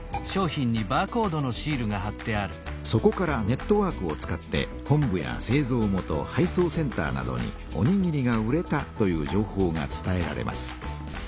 そこからネットワークを使って本部やせいぞう元配送センターなどに「おにぎりが売れた」という情報が伝えられます。